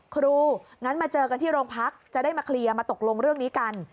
งั้นมาเจอกันที่โรงพักจะได้มาเคลียร์มาตกลงเรื่องนี้กัน